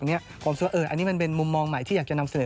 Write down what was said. ความสุขว่าอันนี้มันเป็นมุมมองใหม่ที่อยากจะนำเสนอ